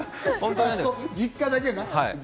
実家だけな。